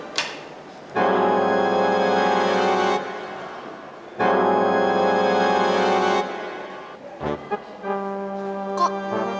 tidak ada apa apa ini udah berhasil